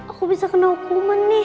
aku bisa kena hukuman nih